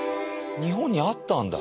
日本にあったんだ。